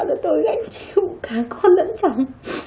rồi tôi gánh chịu cả con lẫn chồng